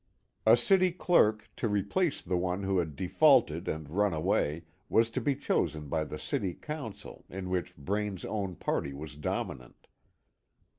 A city clerk, to replace the one who had defaulted and run away, was to be chosen by the City Council, in which Braine's own party was dominant.